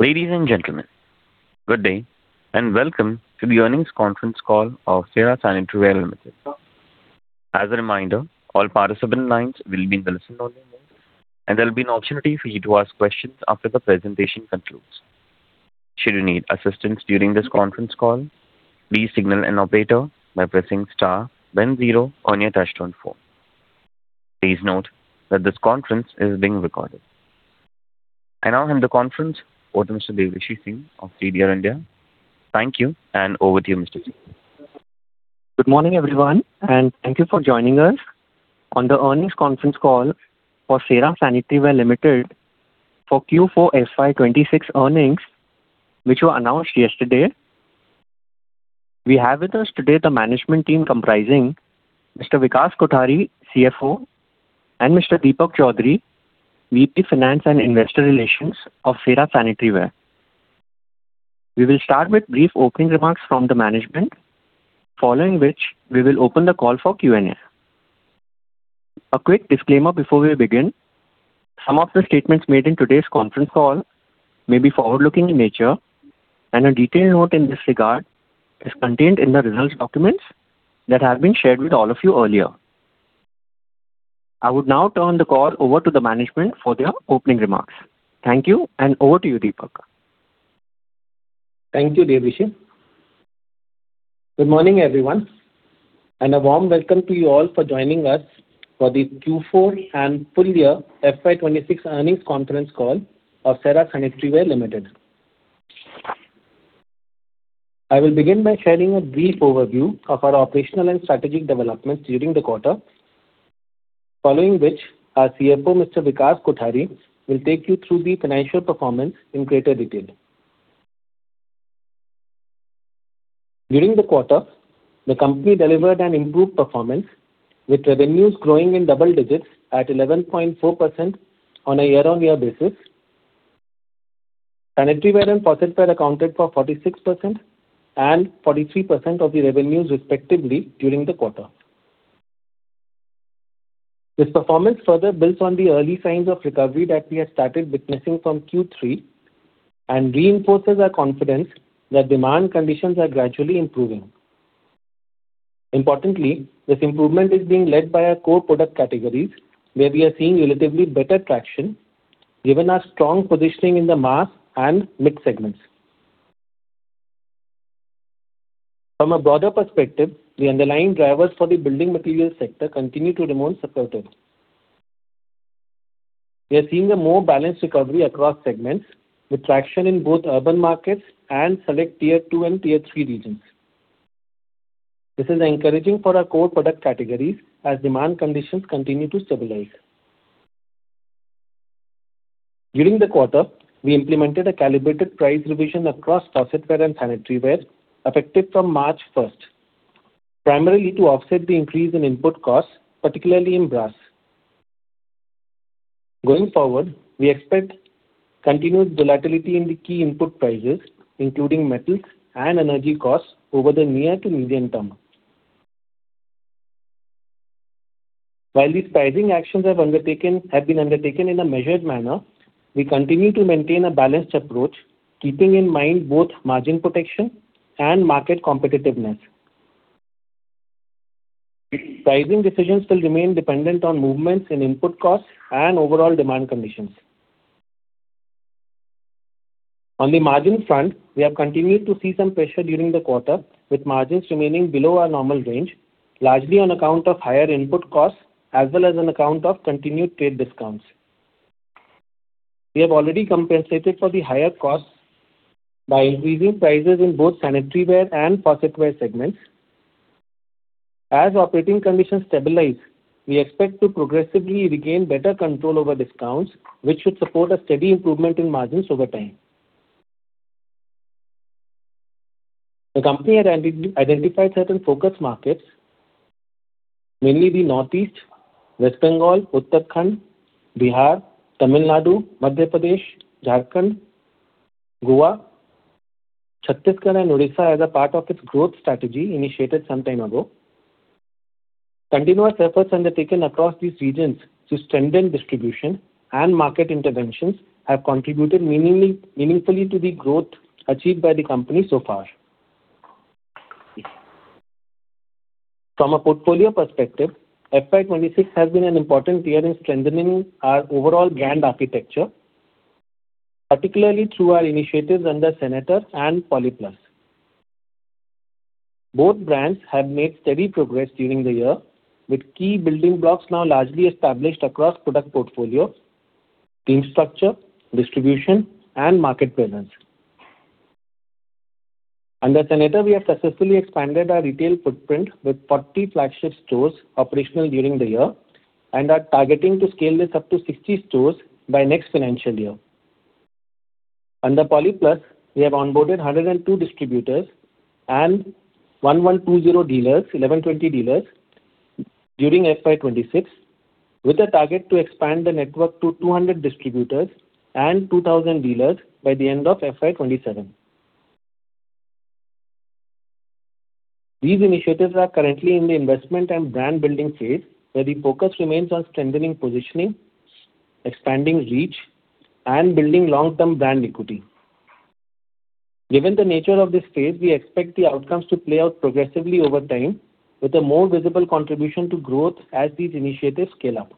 Ladies and gentlemen, good day, and welcome to the earnings conference call of Cera Sanitaryware Limited. As a reminder, all participant lines will be in listen-only mode, and there'll be an opportunity for you to ask questions after the presentation concludes. Should you need assistance during this conference call, please signal an operator by pressing star then zero on your touch-tone phone. Please note that this conference is being recorded. I now hand the conference over to Mr. Devrishi Singh of CDR India. Thank you, and over to you, Mr. Singh. Good morning, everyone. Thank you for joining us on the earnings conference call for Cera Sanitaryware Limited for Q4 FY 2026 earnings, which were announced yesterday. We have with us today the management team comprising Mr. Vikas Kothari, CFO, and Mr. Deepak Chaudhary, VP Finance and Investor Relations of Cera Sanitaryware. We will start with brief opening remarks from the management, following which we will open the call for Q&A. A quick disclaimer before we begin. Some of the statements made in today's conference call may be forward-looking in nature, and a detailed note in this regard is contained in the results documents that have been shared with all of you earlier. I would now turn the call over to the management for their opening remarks. Thank you. Over to you, Deepak. Thank you, Devrishi. Good morning, everyone, and a warm welcome to you all for joining us for the Q4 and full-year FY 2026 earnings conference call of Cera Sanitaryware Limited. I will begin by sharing a brief overview of our operational and strategic developments during the quarter, following which our CFO, Mr. Vikas Kothari, will take you through the financial performance in greater detail. During the quarter, the company delivered an improved performance with revenues growing in double digits at 11.4% on a year-on-year basis. Sanitaryware and faucetware accounted for 46% and 43% of the revenues respectively during the quarter. This performance further builds on the early signs of recovery that we have started witnessing from Q3 and reinforces our confidence that demand conditions are gradually improving. Importantly, this improvement is being led by our core product categories, where we are seeing relatively better traction given our strong positioning in the mass and mixed segments. From a broader perspective, the underlying drivers for the building materials sector continue to remain supportive. We are seeing a more balanced recovery across segments with traction in both urban markets and select tier-2 and tier-3 regions. This is encouraging for our core product categories as demand conditions continue to stabilize. During the quarter, we implemented a calibrated price revision across faucetware and sanitaryware effective from March 1st, primarily to offset the increase in input costs, particularly in brass. Going forward, we expect continued volatility in the key input prices, including metals and energy costs over the near to medium term. While these pricing actions have been undertaken in a measured manner, we continue to maintain a balanced approach, keeping in mind both margin protection and market competitiveness. Pricing decisions will remain dependent on movements in input costs and overall demand conditions. On the margin front, we have continued to see some pressure during the quarter, with margins remaining below our normal range, largely on account of higher input costs as well as on account of continued trade discounts. We have already compensated for the higher costs by increasing prices in both sanitaryware and faucetware segments. As operating conditions stabilize, we expect to progressively regain better control over discounts, which should support a steady improvement in margins over time. The company had identified certain focus markets, mainly the Northeast, West Bengal, Uttarakhand, Bihar, Tamil Nadu, Madhya Pradesh, Jharkhand, Goa, Chhattisgarh, and Odisha as a part of its growth strategy initiated some time ago. Continuous efforts undertaken across these regions to strengthen distribution and market interventions have contributed meaningfully to the growth achieved by the company so far. From a portfolio perspective, FY 2026 has been an important year in strengthening our overall brand architecture, particularly through our initiatives under Senator and Polipluz. Both brands have made steady progress during the year, with key building blocks now largely established across product portfolios, team structure, distribution, and market presence. Under Senator, we have successfully expanded our retail footprint with 40 flagship stores operational during the year and are targeting to scale this up to 60 stores by next financial year. Under Polipluz, we have onboarded 102 distributors and 1,120 dealers during FY 2026, with a target to expand the network to 200 distributors and 2,000 dealers by the end of FY 2027. These initiatives are currently in the investment and brand building phase, where the focus remains on strengthening positioning, expanding reach, and building long-term brand equity. Given the nature of this phase, we expect the outcomes to play out progressively over time with a more visible contribution to growth as these initiatives scale up.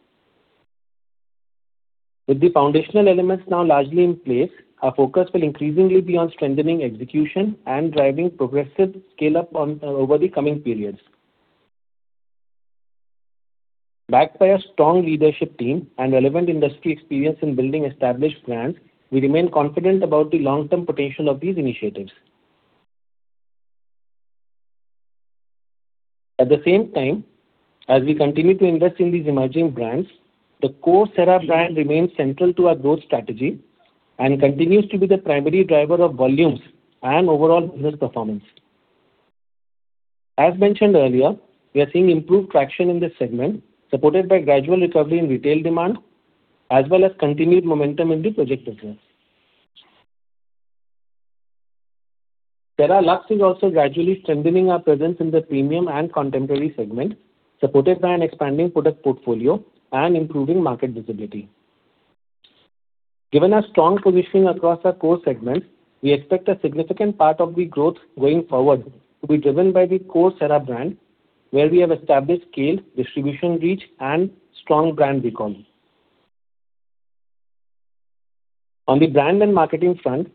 With the foundational elements now largely in place, our focus will increasingly be on strengthening execution and driving progressive scale up over the coming periods. Backed by a strong leadership team and relevant industry experience in building established brands, we remain confident about the long-term potential of these initiatives. At the same time, as we continue to invest in these emerging brands, the core Cera brand remains central to our growth strategy and continues to be the primary driver of volumes and overall business performance. As mentioned earlier, we are seeing improved traction in this segment, supported by gradual recovery in retail demand, as well as continued momentum in the project business. Cera Luxe is also gradually strengthening our presence in the premium and contemporary segment, supported by an expanding product portfolio and improving market visibility. Given our strong positioning across our core segments, we expect a significant part of the growth going forward to be driven by the core Cera brand, where we have established scale, distribution reach, and strong brand recall. On the brand and marketing front,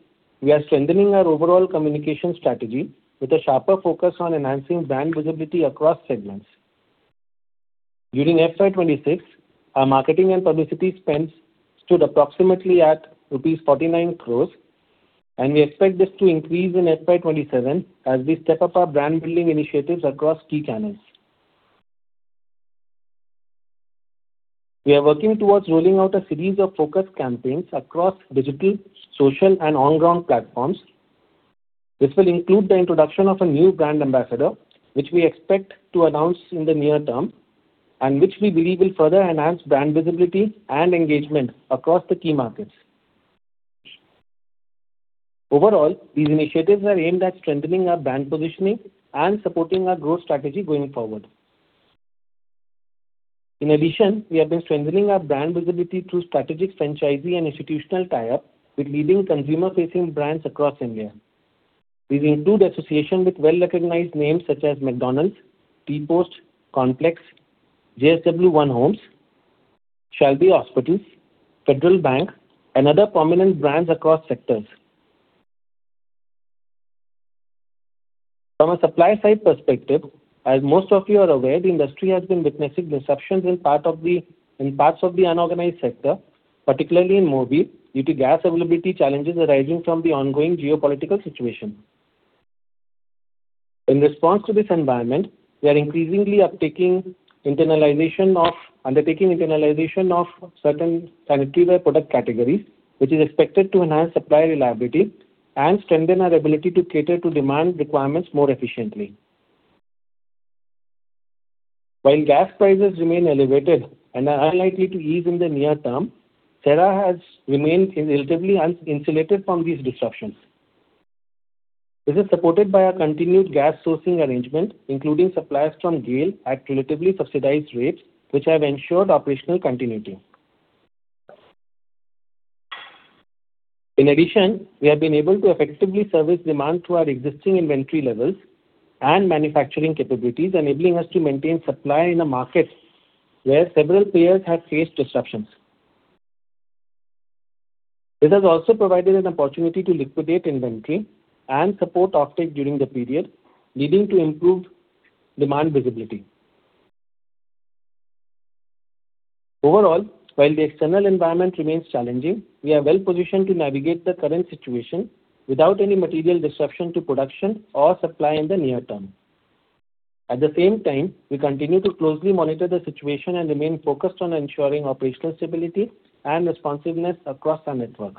we are strengthening our overall communication strategy with a sharper focus on enhancing brand visibility across segments. During FY 2026, our marketing and publicity spends stood approximately at rupees 49 crores. We expect this to increase in FY 2027 as we step up our brand-building initiatives across key channels. We are working towards rolling out a series of focused campaigns across digital, social, and on-ground platforms. This will include the introduction of a new brand ambassador, which we expect to announce in the near term, which we believe will further enhance brand visibility and engagement across the key markets. Overall, these initiatives are aimed at strengthening our brand positioning and supporting our growth strategy going forward. In addition, we have been strengthening our brand visibility through strategic franchisee and institutional tie-up with leading consumer-facing brands across India. These include association with well-recognized names such as McDonald's, Tea Post, Complex, JSW One Homes, Shalby Hospitals, Federal Bank, and other prominent brands across sectors. From a supply side perspective, as most of you are aware, the industry has been witnessing disruptions in parts of the unorganized sector, particularly in Morbi, due to gas availability challenges arising from the ongoing geopolitical situation. In response to this environment, we are increasingly undertaking internalization of certain sanitaryware product categories, which is expected to enhance supply reliability and strengthen our ability to cater to demand requirements more efficiently. While gas prices remain elevated and are unlikely to ease in the near term, Cera has remained relatively uninsulated from these disruptions. This is supported by our continued gas sourcing arrangement, including suppliers from GAIL at relatively subsidized rates, which have ensured operational continuity. In addition, we have been able to effectively service demand through our existing inventory levels and manufacturing capabilities, enabling us to maintain supply in a market where several players have faced disruptions. This has also provided an opportunity to liquidate inventory and support offtake during the period, leading to improved demand visibility. Overall, while the external environment remains challenging, we are well-positioned to navigate the current situation without any material disruption to production or supply in the near term. At the same time, we continue to closely monitor the situation and remain focused on ensuring operational stability and responsiveness across our network.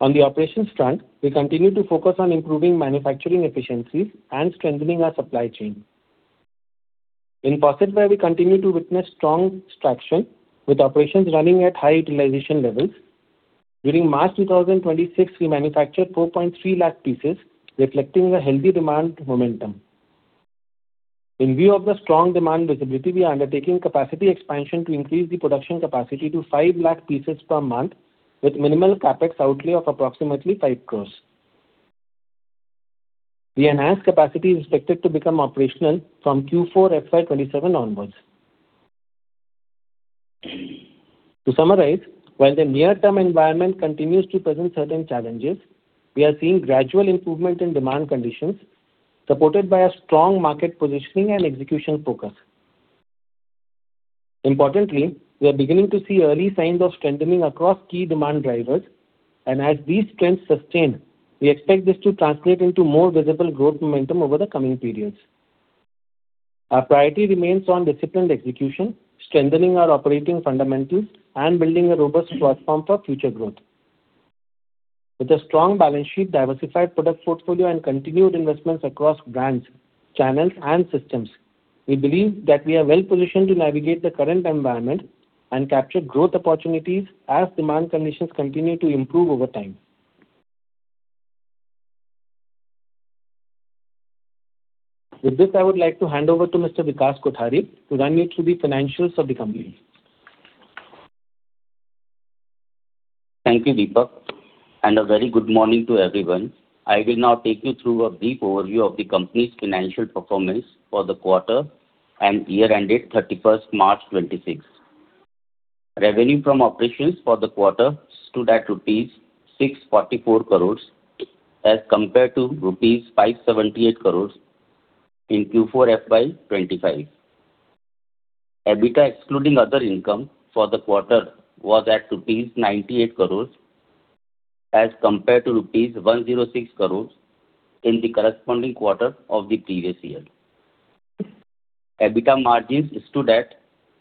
On the operations front, we continue to focus on improving manufacturing efficiencies and strengthening our supply chain. In faucetware, we continue to witness strong traction with operations running at high utilization levels. During March 2026, we manufactured 4.3 lakh pieces, reflecting a healthy demand momentum. In view of the strong demand visibility, we are undertaking capacity expansion to increase the production capacity to 5 lakh pieces per month, with minimal CapEx outlay of approximately 5 crore. The enhanced capacity is expected to become operational from Q4 FY 2027 onwards. To summarize, while the near-term environment continues to present certain challenges, we are seeing gradual improvement in demand conditions, supported by a strong market positioning and execution focus. Importantly, we are beginning to see early signs of strengthening across key demand drivers, and as these trends sustain, we expect this to translate into more visible growth momentum over the coming periods. Our priority remains on disciplined execution, strengthening our operating fundamentals, and building a robust platform for future growth. With a strong balance sheet, diversified product portfolio, and continued investments across brands, channels, and systems. We believe that we are well-positioned to navigate the current environment and capture growth opportunities as demand conditions continue to improve over time. With this, I would like to hand over to Mr. Vikas Kothari to run you through the financials of the company. Thank you, Deepak, and a very good morning to everyone. I will now take you through a brief overview of the company's financial performance for the quarter and year-ended 31st March 2026. Revenue from operations for the quarter stood at 644 crores rupees as compared to 578 crores rupees in Q4 FY 2025. EBITDA excluding other income for the quarter was at rupees 98 crores as compared to rupees 106 crores in the corresponding quarter of the previous year. EBITDA margins stood at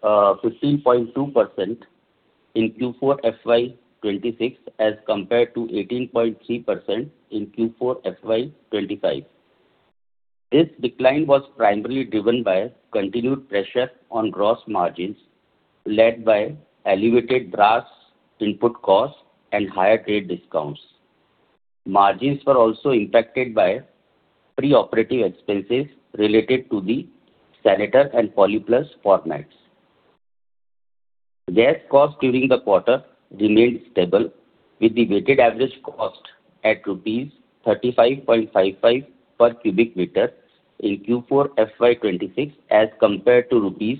15.2% in Q4 FY 2026, as compared to 18.3% in Q4 FY 2025. This decline was primarily driven by continued pressure on gross margins, led by elevated brass input costs and higher trade discounts. Margins were also impacted by pre-operative expenses related to the Senator and Polipluz formats. Gas cost during the quarter remained stable, with the weighted average cost at rupees 35.55 per cubic meter in Q4 FY 2026 as compared to rupees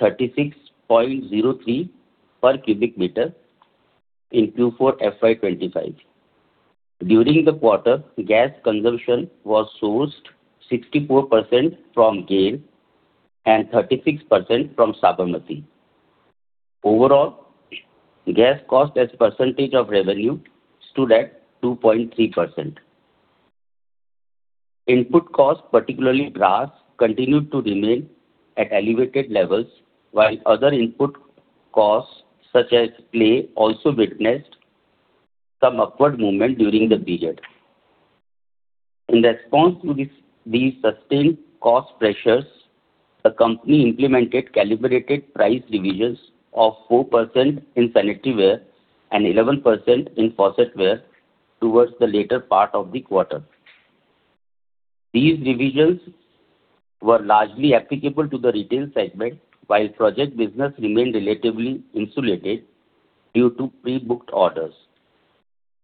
36.03 per cubic meter in Q4 FY 2025. During the quarter, gas consumption was sourced 64% from GAIL and 36% from Sabarmati. Overall, gas cost as a percentage of revenue stood at 2.3%. Input costs, particularly brass, continued to remain at elevated levels, while other input costs such as clay also witnessed some upward movement during the period. In response to these sustained cost pressures, the company implemented calibrated price revisions of 4% in sanitaryware and 11% in faucetware towards the latter part of the quarter. These revisions were largely applicable to the retail segment, while project business remained relatively insulated due to pre-booked orders.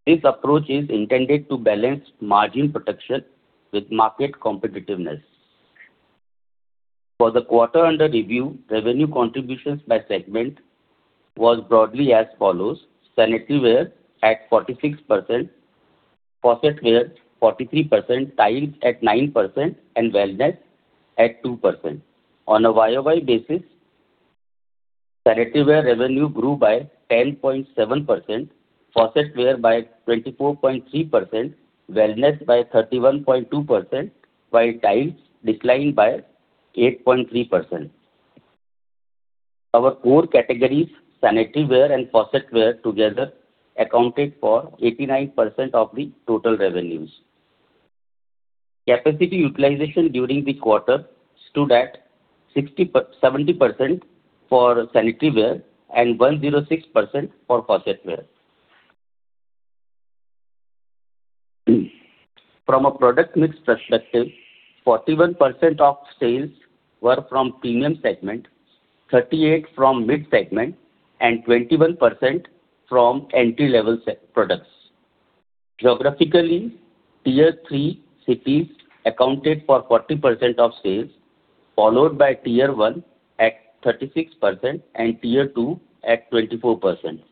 This approach is intended to balance margin protection with market competitiveness. For the quarter under review, revenue contributions by segment was broadly as follows: sanitaryware at 46%, faucetware 43%, tiles at 9% and wellness at 2%. On a YoY basis, sanitaryware revenue grew by 10.7%, faucetware by 24.3%, wellness by 31.2%, while tiles declined by 8.3%. Our core categories, sanitaryware and faucetware together accounted for 89% of the total revenues. Capacity utilization during the quarter stood at 70% for sanitaryware and 106% for faucetware. From a product mix perspective, 41% of sales were from premium segment, 38 from mid segment and 21% from entry-level products. Geographically, tier-3 cities accounted for 40% of sales, followed by tier-1 at 36% and tier-2 at 24%.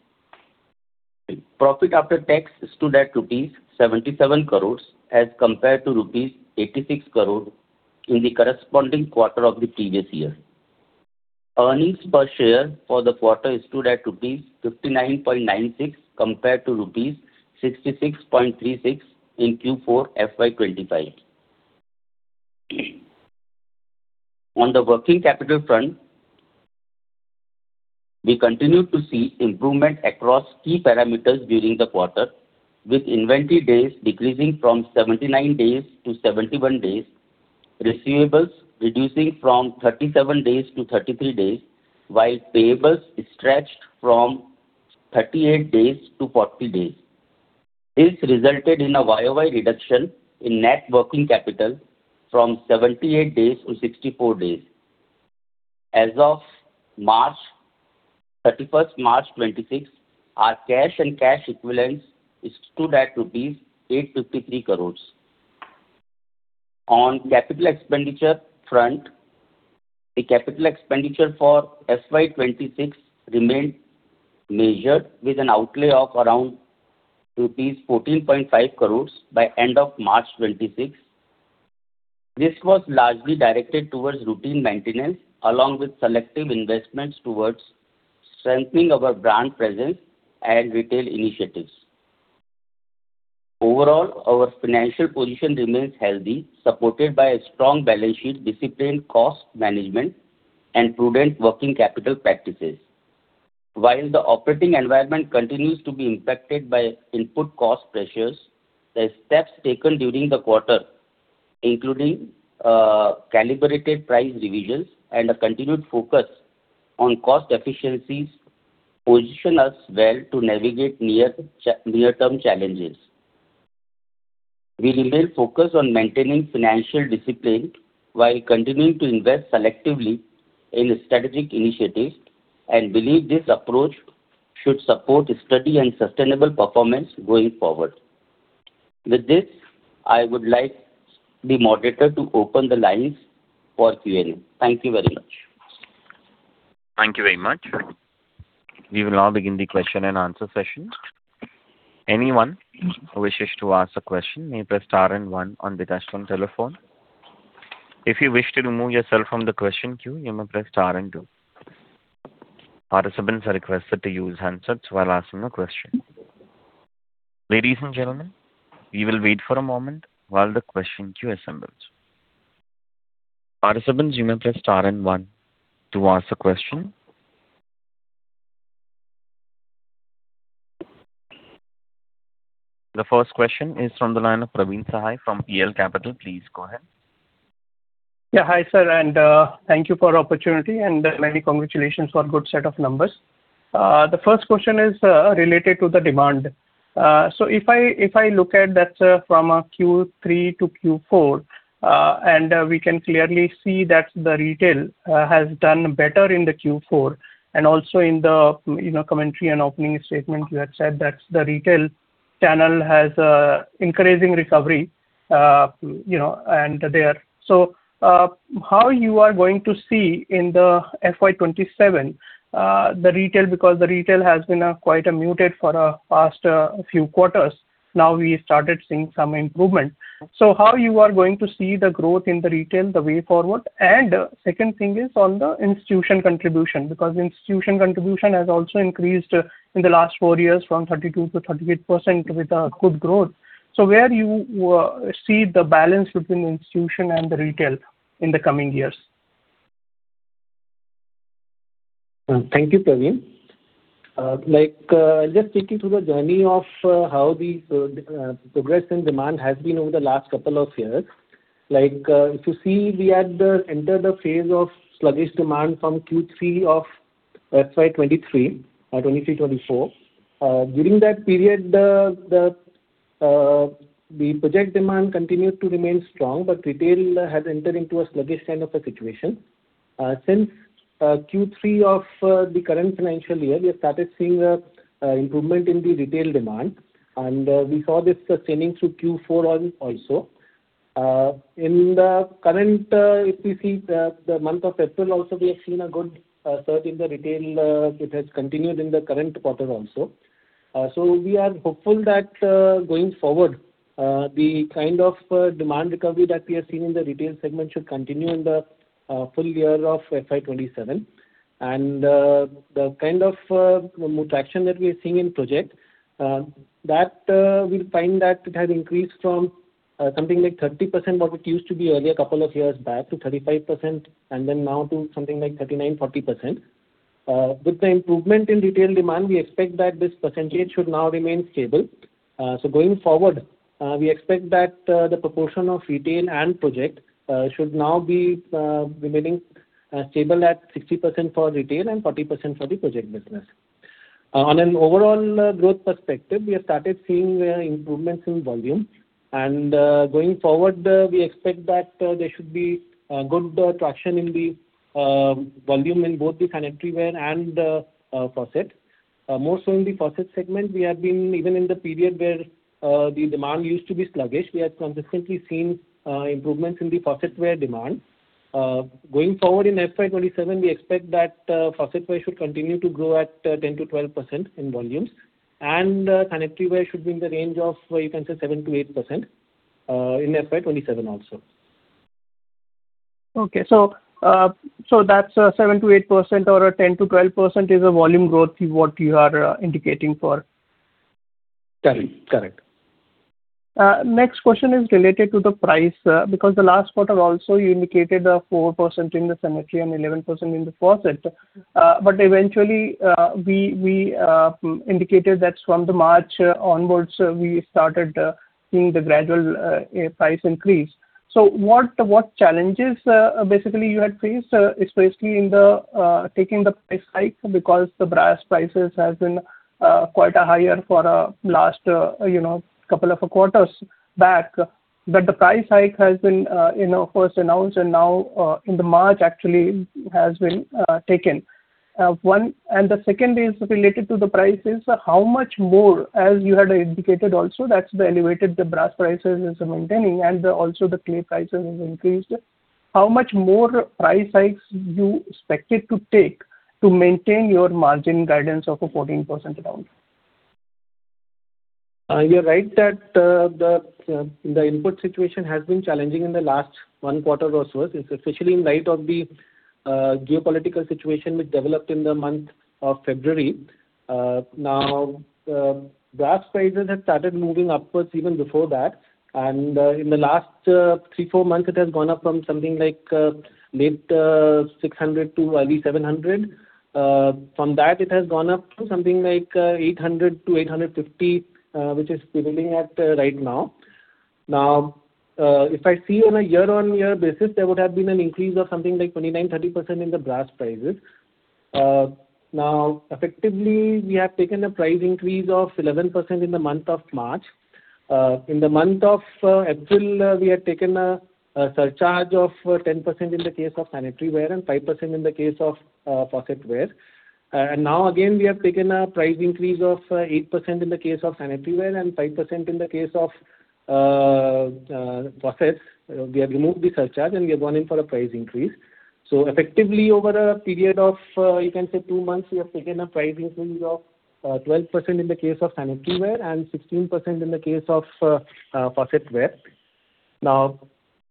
Profit after tax stood at INR 77 crores as compared to INR 86 crore in the corresponding quarter of the previous year. Earnings per share for the quarter stood at rupees 59.96, compared to rupees 66.36 in Q4 FY 2025. On the working capital front, we continued to see improvement across key parameters during the quarter, with inventory days decreasing from 79 days to 71 days, receivables reducing from 37 days to 33 days, while payables stretched from 38 days to 40 days. This resulted in a YoY reduction in net working capital from 78 days to 64 days. As of 31st March, 2026, our cash and cash equivalents stood at INR 853 crores. On CapEx front, the CapEx for FY 2026 remained measured with an outlay of around rupees 14.5 crores by end of March 2026. This was largely directed towards routine maintenance, along with selective investments towards strengthening our brand presence and retail initiatives. Overall, our financial position remains healthy, supported by a strong balance sheet, disciplined cost management and prudent working capital practices. While the operating environment continues to be impacted by input cost pressures, the steps taken during the quarter, including calibrated price revisions and a continued focus on cost efficiencies position us well to navigate near-term challenges. We remain focused on maintaining financial discipline while continuing to invest selectively in strategic initiatives, and believe this approach should support a steady and sustainable performance going forward. With this, I would like the moderator to open the lines for Q&A. Thank you very much. Thank you very much. We will now begin the question-and-answer session. Anyone who wishes to ask a question may press star and one on the touchtone telephone. If you wish to remove yourself from the question queue, you may press star and two. Participants are requested to use handsets while asking a question. Ladies and gentlemen, we will wait for a moment while the question queue assembles. Participants, you may press star and one to ask a question. The first question is from the line of Praveen Sahay from PL Capital. Please go ahead. Hi, sir, thank you for opportunity, and many congratulations for good set of numbers. The first question is related to the demand. If I look at that from Q3 to Q4, we can clearly see that the retail has done better in the Q4 and also in the, you know, commentary and opening statement you had said that the retail channel has encouraging recovery, you know, and there. How you are going to see in the FY 2027 the retail because the retail has been quite a muted for past few quarters, now we started seeing some improvement. How you are going to see the growth in the retail the way forward? Second thing is on the institution contribution, because institution contribution has also increased in the last four years from 32%-38% with a good growth. Where you see the balance between institution and the retail in the coming years? Thank you, Praveen. Like, I'll just take you through the journey of how the progress and demand has been over the last couple of years. Like, if you see, we had entered a phase of sluggish demand from Q3 of FY 2023 or 2023, 2024. During that period, the project demand continued to remain strong, but retail has entered into a sluggish kind of a situation. Since Q3 of the current financial year, we have started seeing an improvement in the retail demand, and we saw this continuing through Q4 also. In the current, if we see the month of April also we have seen a good surge in the retail. It has continued in the current quarter also. We are hopeful that, going forward, the kind of demand recovery that we have seen in the retail segment should continue in the full-year of FY 2027. The kind of traction that we are seeing in project, that we'll find that it has increased from something like 30% what it used to be earlier couple of years back to 35%, and then now to something like 39%-40%. With the improvement in retail demand, we expect that this percentage should now remain stable. Going forward, we expect that the proportion of retail and project should now be remaining stable at 60% for retail and 40% for the project business. On an overall growth perspective, we have started seeing improvements in volume. Going forward, we expect that there should be good traction in the volume in both the sanitaryware and faucet. More so in the faucetware segment, we have been even in the period where the demand used to be sluggish, we have consistently seen improvements in the faucetware demand. Going forward in FY 2027, we expect that faucetware should continue to grow at 10%-12% in volumes, and sanitaryware should be in the range of, you can say 7%-8%, in FY 2027 also. Okay. That's, 7%-8% or 10%-12% is the volume growth what you are indicating for? Correct. Correct. Next question is related to the price. Because the last quarter also you indicated, 4% in the sanitaryware and 11% in the faucetware. Eventually, we indicated that from the March onwards, we started seeing the gradual price increase. What challenges basically you had faced, especially in taking the price hike because the brass prices has been quite a higher for last, you know, couple of quarters back. The price hike has been, you know, first announced and now, in the March actually has been taken. One. The second is related to the prices. How much more, as you had indicated also that's the elevated the brass prices is maintaining and also the clay prices has increased. How much more price hikes do you expect it to take to maintain your margin guidance of a 14% around? You're right that the input situation has been challenging in the last one quarter or so, especially in light of the geopolitical situation which developed in the month of February. Now, brass prices had started moving upwards even before that, and in the last three, four months, it has gone up from something like late 600 to early 700. From that it has gone up to something like 800 to 850, which is prevailing at right now. Now, if I see on a YoY basis, there would have been an increase of something like 29%, 30% in the brass prices. Effectively, we have taken a price increase of 11% in the month of March. In the month of April, we had taken a surcharge of 10% in the case of sanitaryware and 5% in the case of faucetware. Now again, we have taken a price increase of 8% in the case of sanitaryware and 5% in the case of faucets. We have removed the surcharge, and we have gone in for a price increase. Effectively, over a period of, you can say two months, we have taken a price increase of 12% in the case of sanitaryware and 16% in the case of faucetware. Now,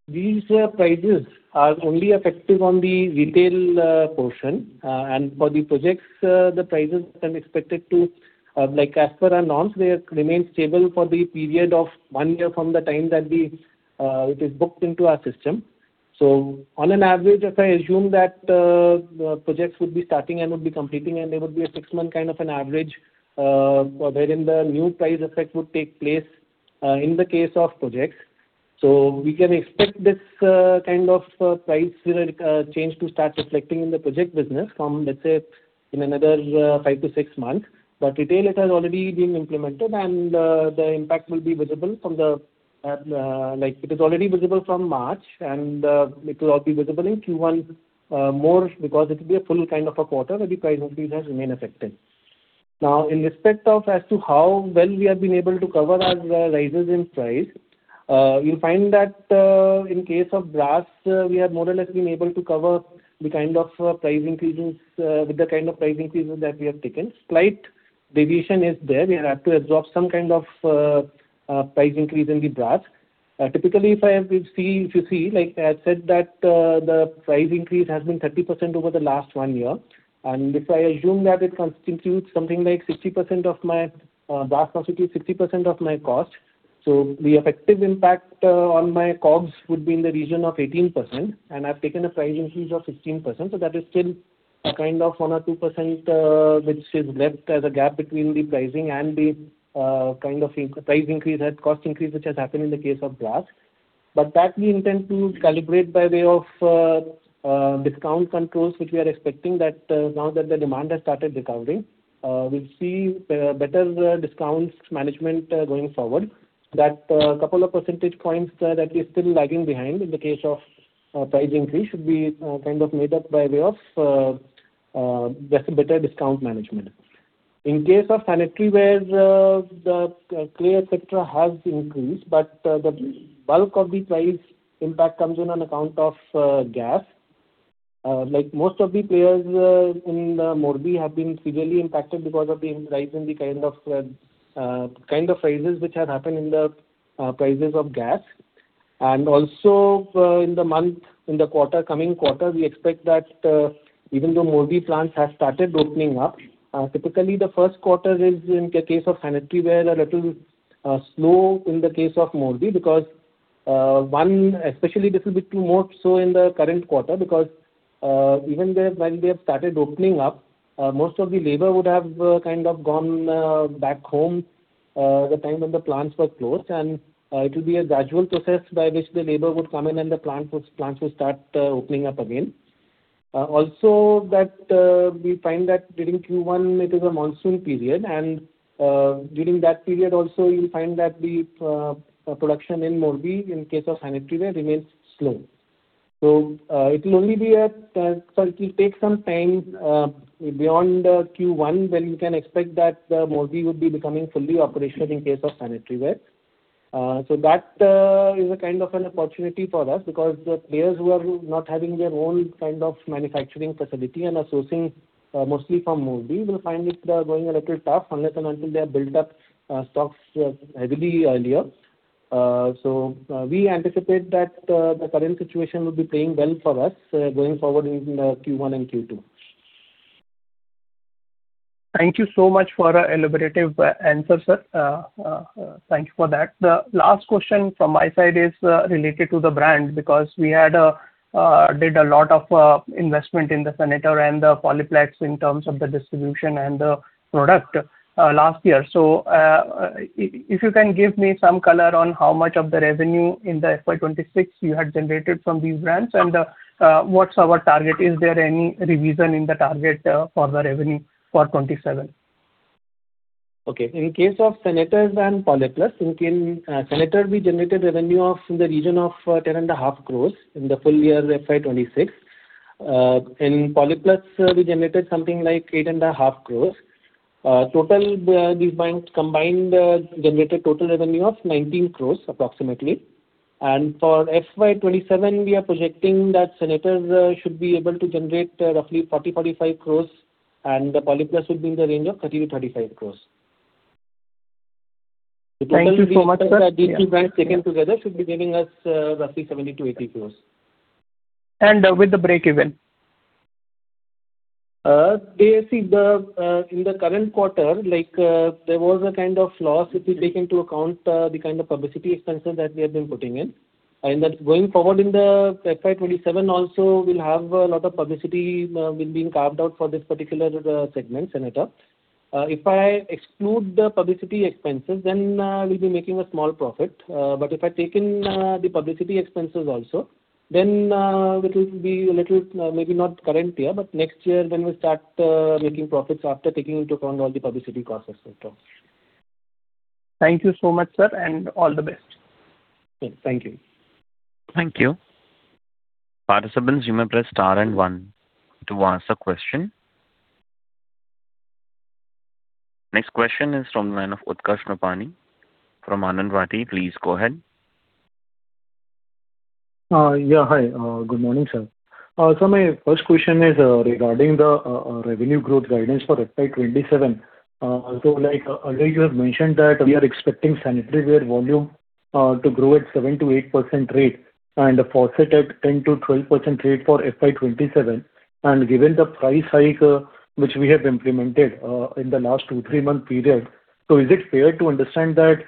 these prices are only effective on the retail portion. For the projects, the prices are expected to like as per announced, they remain stable for the period of one year from the time that we it is booked into our system. On an average, if I assume that the projects would be starting and would be completing, and there would be a six-month kind of an average wherein the new price effect would take place in the case of projects. We can expect this kind of price change to start reflecting in the project business from, let's say, in another five to six months. Retail, it has already been implemented, and the impact will be visible from, like it is already visible from March, and it will all be visible in Q1 more because it will be a full kind of a quarter where the price increase has remained effective. In respect of as to how well we have been able to cover our rises in price, you'll find that in case of brass, we have more or less been able to cover the kind of price increases with the kind of price increases that we have taken. Slight deviation is there. We have had to absorb some kind of price increase in the brass. Typically, if you see, like I said, that the price increase has been 30% over the last one year. If I assume that it constitutes something like 60% of my brass constitutes 60% of my cost. The effective impact on my COGS would be in the region of 18%. I've taken a price increase of 16%. That is still kind of 1% or 2% which is left as a gap between the pricing and the kind of in-price increase and cost increase, which has happened in the case of brass. That we intend to calibrate by way of discount controls, which we are expecting that now that the demand has started recovering, we'll see better discounts management going forward. That couple of percentage points that we're still lagging behind in the case of price increase should be kind of made up by way of just a better discount management. In case of sanitary wares the clay et cetera has increased but the bulk of the price impact comes in on account of gas. Like most of the players in Morbi have been severely impacted because of the rise in the kind of rises which had happened in the prices of gas. Also, in the quarter, coming quarter, we expect that even though Morbi plants have started opening up, typically the first quarter is in case of sanitaryware a little slow in the case of Morbi because especially this will be more so in the current quarter because while they have started opening up, most of the labor would have kind of gone back home the time when the plants were closed. It will be a gradual process by which the labor would come in and plants will start opening up again. Also that, we find that during Q1 it is a monsoon period and during that period also you'll find that the production in Morbi in case of sanitaryware remains slow. It will take some time beyond Q1 when you can expect that Morbi would be becoming fully operational in case of sanitaryware. That is a kind of an opportunity for us because the players who are not having their own kind of manufacturing facility and are sourcing mostly from Morbi will find it going a little tough unless and until they have built up stocks heavily earlier. We anticipate that the current situation will be playing well for us going forward in Q1 and Q2. Thank you so much for a elaborative answer, sir. Thank you for that. The last question from my side is related to the brand, because we had did a lot of investment in the Senator and the Polipluz in terms of the distribution and the product last year. If you can give me some color on how much of the revenue in the FY 2026 you had generated from these brands and what's our target? Is there any revision in the target for the revenue for 2027? Okay. In case of Senator and Polipluz, in Senator, we generated revenue of, in the region of 10.5 crores in the full-year FY 2026. In Polipluz, we generated something like 8.5 crores. Total, these brands combined, generated total revenue of 19 crores approximately. For FY 2027, we are projecting that Senator should be able to generate roughly 40 crores-45 crores, and the Polipluz will be in the range of 30 crores-35 crores. Thank you so much, sir. These two brands taken together should be giving us, roughly 70 crores-80 crores. With the break-even? Yeah, see the, in the current quarter, like, there was a kind of loss if you take into account, the kind of publicity expenses that we have been putting in. that going forward in the FY 2027 also we'll have a lot of publicity, will being carved out for this particular segment, sanitaryware. if I exclude the publicity expenses, then, we'll be making a small profit. if I take in, the publicity expenses also, then, it will be a little, maybe not current year, but next year when we start, making profits after taking into account all the publicity costs as well, so. Thank you so much, sir, and all the best. Okay. Thank you. Thank you. Participants, you may press star and one to ask a question. Next question is from the line of Utkarsh Nopany from Anand Rathi. Please go ahead. Yeah. Hi. Good morning, sir. My first question is regarding the revenue growth guidance for FY 2027. Earlier you have mentioned that we are expecting sanitaryware volume to grow at 7%-8% rate and the faucet at 10%-12% rate for FY 2027. Given the price hike, which we have implemented in the last two, three month period, is it fair to understand that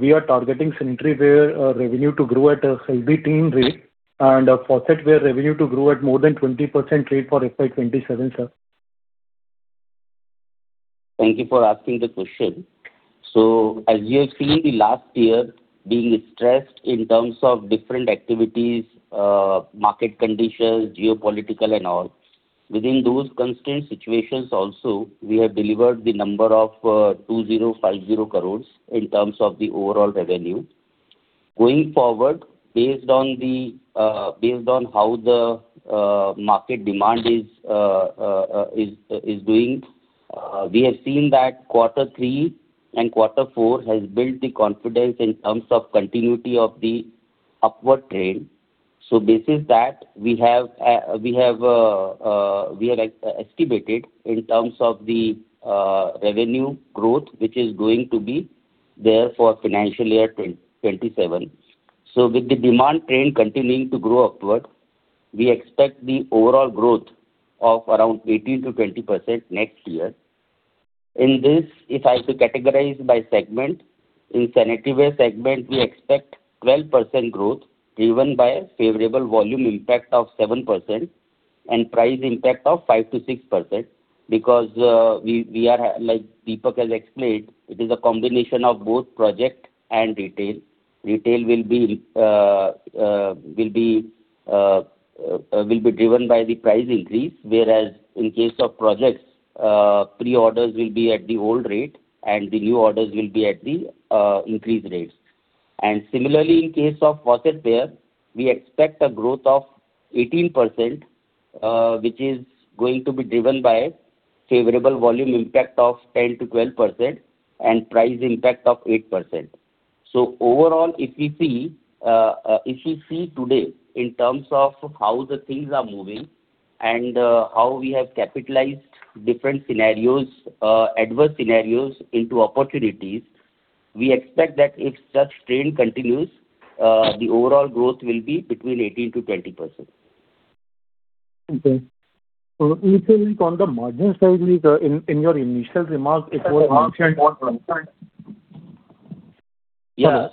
we are targeting sanitaryware revenue to grow at a healthy teen rate and our faucetware revenue to grow at more than 20% rate for FY 2027, sir? Thank you for asking the question. As you have seen the last year being stressed in terms of different activities, market conditions, geopolitical and all, within those constrained situations also, we have delivered the number of 2,050 crores in terms of the overall revenue. Going forward, based on the based on how the market demand is doing, we have seen that Q3 and Q4 has built the confidence in terms of continuity of the upward trend. Basis that we have we have estimated in terms of the revenue growth, which is going to be there for financial year 2027. With the demand trend continuing to grow upward, we expect the overall growth of around 18%-20% next year. In this, if I have to categorize by segment, in sanitaryware segment we expect 12% growth, driven by a favorable volume impact of 7% and price impact of 5%-6% because we are, like Deepak has explained, it is a combination of both project and retail. Retail will be driven by the price increase, whereas in case of projects, pre-orders will be at the old rate and the new orders will be at the increased rates. Similarly, in case of faucetware, we expect a growth of 18%, which is going to be driven by favorable volume impact of 10%-12% and price impact of 8%. Overall, if we see today in terms of how the things are moving and, how we have capitalized different scenarios, adverse scenarios into opportunities, we expect that if such trend continues, the overall growth will be between 18%-20%. Okay. if we look on the margin side, like, in your initial remarks. [inaudible] Yeah.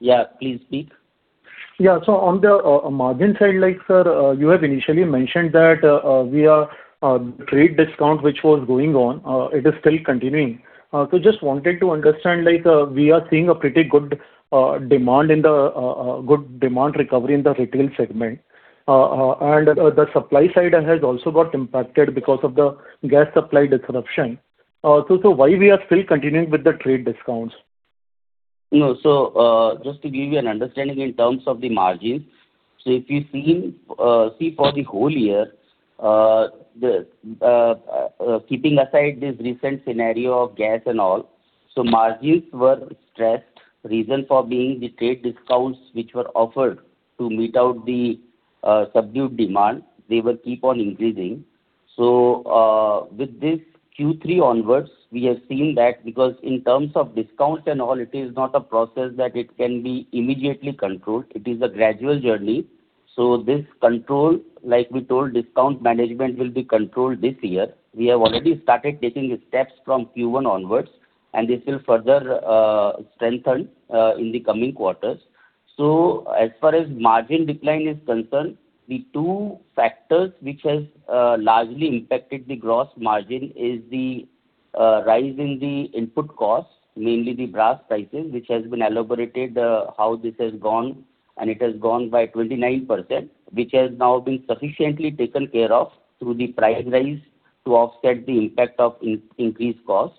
Yeah, please speak. Yeah. On the margin side, like, sir, you have initially mentioned that we are trade discount which was going on, it is still continuing. Just wanted to understand, like, we are seeing a pretty good demand in the good demand recovery in the retail segment. The supply side has also got impacted because of the gas supply disruption. Why we are still continuing with the trade discounts? No. Just to give you an understanding in terms of the margins. If you've seen, see for the whole year, the, keeping aside this recent scenario of gas and all, margins were stressed. Reason for being the trade discounts which were offered to meet out the subdued demand, they will keep on increasing. With this Q3 onwards, we have seen that because in terms of discounts and all, it is not a process that it can be immediately controlled. It is a gradual journey. This control, like we told discount management will be controlled this year. We have already started taking the steps from Q1 onwards, this will further strengthen in the coming quarters. As far as margin decline is concerned, the two factors which has largely impacted the gross margin is the rise in the input costs, mainly the brass prices, which has been elaborated how this has gone, and it has gone by 29%, which has now been sufficiently taken care of through the price rise to offset the impact of increased costs.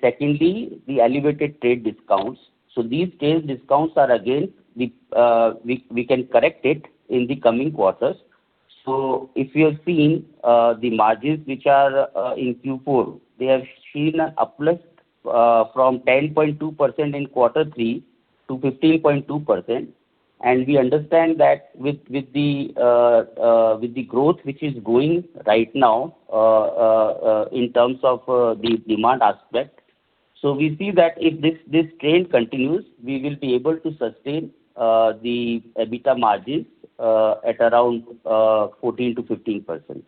Secondly, the elevated trade discounts. These trade discounts are again we can correct it in the coming quarters. If you have seen, the margins which are in Q4, they have seen a uplift from 10.2% in Q3 to 15.2%. We understand that with the growth which is going right now in terms of the demand aspect. We see that if this trend continues, we will be able to sustain the EBITDA margins at around 14%-15%.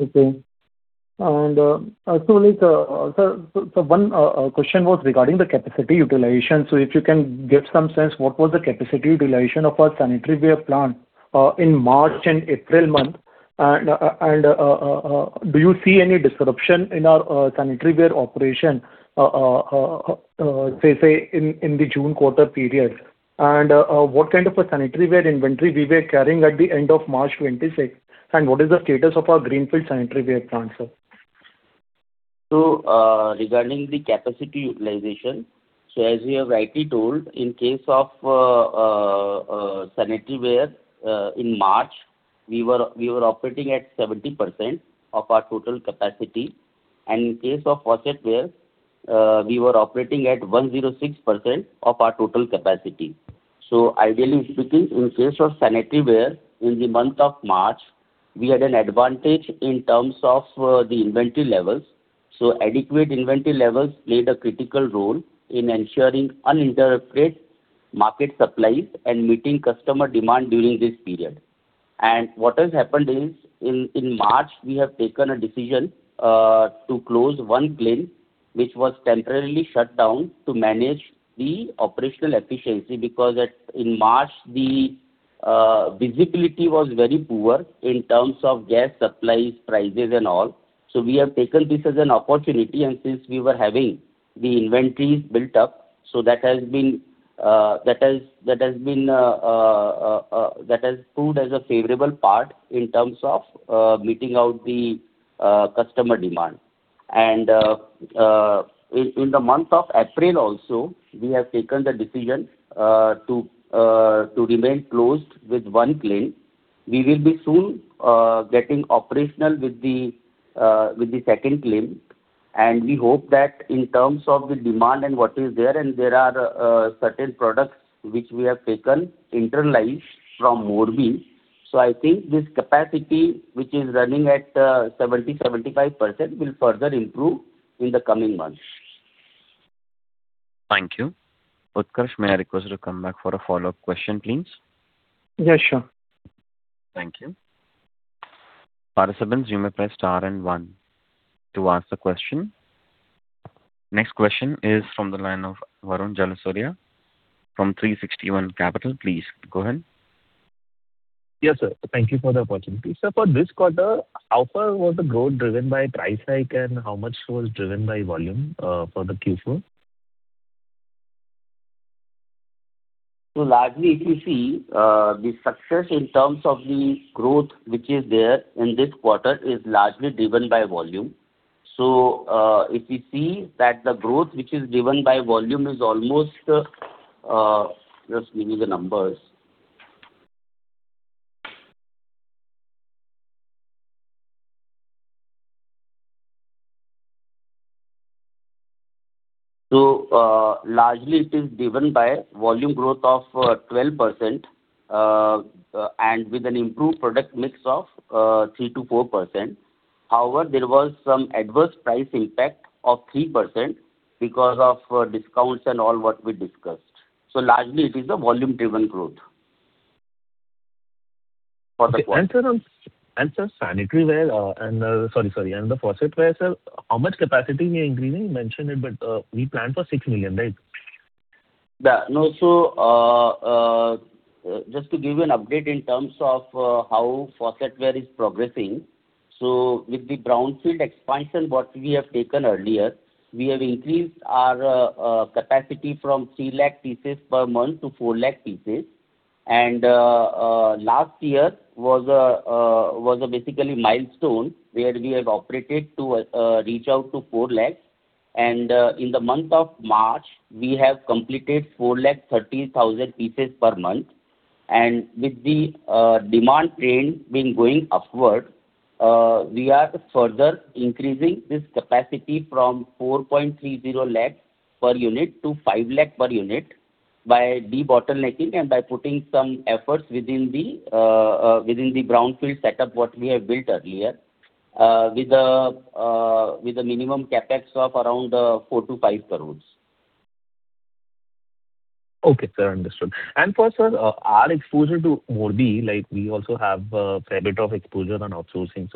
Okay. Actually, sir, so one question was regarding the capacity utilization. If you can give some sense, what was the capacity utilization of our sanitaryware plant in March and April month? Do you see any disruption in our sanitaryware operation say in the June quarter period? What kind of a sanitaryware inventory we were carrying at the end of March 26, and what is the status of our greenfield sanitaryware plant, sir? Regarding the capacity utilization, as we have rightly told, in case of sanitaryware, in March, we were operating at 70% of our total capacity. In case of faucetware, we were operating at 106% of our total capacity. Ideally speaking, in case of sanitaryware, in the month of March, we had an advantage in terms of the inventory levels. Adequate inventory levels played a critical role in ensuring uninterrupted market supplies and meeting customer demand during this period. What has happened is, in March, we have taken a decision to close one kiln, which was temporarily shut down to manage the operational efficiency because in March the visibility was very poor in terms of gas supplies, prices and all. We have taken this as an opportunity, and since we were having the inventories built up, that has proved as a favorable part in terms of meeting out the customer demand. In the month of April also, we have taken the decision to remain closed with one kiln. We will be soon getting operational with the second kiln. We hope that in terms of the demand and what is there, and there are certain products which we have taken internalized from Morbi. I think this capacity, which is running at 70%-75% will further improve in the coming months. Thank you. Utkarsh, may I request you to come back for a follow-up question, please? Yeah, sure. Thank you. Participants, you may press star and one to ask the question. Next question is from the line of Varun Julasaria from 360 ONE Capital. Please go ahead. Yes, sir. Thank you for the opportunity. Sir, for this quarter, how far was the growth driven by price hike, and how much was driven by volume for the Q4? Largely, if you see, the success in terms of the growth which is there in this quarter is largely driven by volume. If you see that the growth which is driven by volume is almost. Just give me the numbers. Largely it is driven by volume growth of 12%, and with an improved product mix of 3%-4%. However, there was some adverse price impact of 3% because of discounts and all what we discussed. Largely it is a volume-driven growth for the quarter. Okay. Sir, sanitaryware, and the faucetware, sir, how much capacity we are increasing? You mentioned it, we planned for 6 million, right? No. Just to give you an update in terms of how faucetware is progressing. With the brownfield expansion what we have taken earlier, we have increased our capacity from 3 lakh pieces per month to 4 lakh pieces. Last year was a basically milestone where we have operated to reach out to 4 lakh. In the month of March, we have completed 4.30 lakh pieces per month. With the demand trend been going upward, we are further increasing this capacity from 4.30 lakh per unit to 5 lakh per unit by debottlenecking and by putting some efforts within the brownfield setup, what we have built earlier, with a minimum CapEx of around 4 crores-5 crores. Okay, sir. Understood. For sir, our exposure to Morbi, like we also have a fair bit of exposure on outsourcing.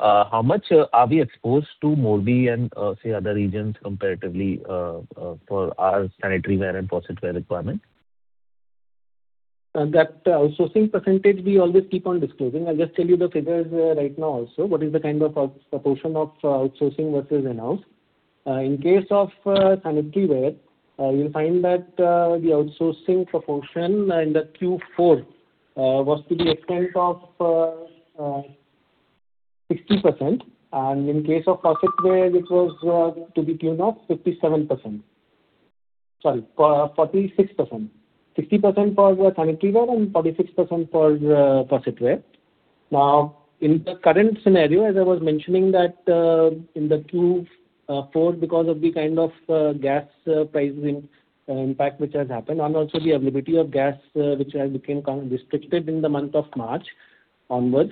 How much are we exposed to Morbi and, say, other regions comparatively, for our sanitaryware and faucetware requirements? That outsourcing % we always keep on disclosing. I'll just tell you the figures, right now also, what is the kind of proportion of outsourcing what is announced. In case of sanitaryware, you'll find that the outsourcing proportion in the Q4 was to the extent of 60%. In case of faucetware it was to the tune of 57%. Sorry, 46%. 60% for the sanitaryware and 46% for faucetware. Now, in the current scenario, as I was mentioning that, in the Q4 because of the kind of gas pricing impact which has happened and also the availability of gas which has became kind of restricted in the month of March onwards,